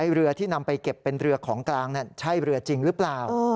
เรือที่นำไปเก็บเป็นเรือของกลางใช่เรือจริงหรือเปล่า